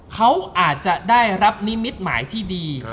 เขาอาจจะได้รับนิมิตหมายที่ดี